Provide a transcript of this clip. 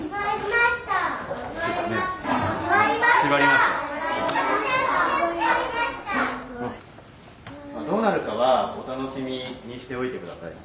まあどうなるかはお楽しみにしておいて下さい。